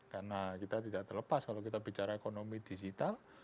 karena kita tidak terlepas kalau kita bicara ekonomi digital